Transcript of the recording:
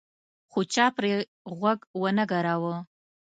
خو چا پرې غوږ ونه ګراوه.